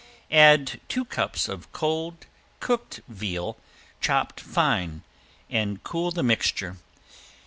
Add two cups of cold cooked veal chopped fine and cool the mixture.